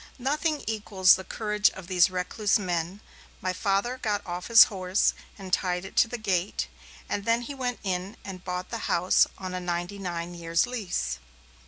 Nothing equals the courage of these recluse men; my Father got off his horse, and tied it to the gate, and then he went in and bought the house on a ninety nine years' lease.